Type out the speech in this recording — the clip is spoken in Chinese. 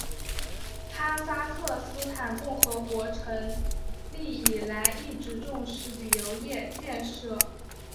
哈萨克斯坦共和国自成立以来一直重视旅游业建设。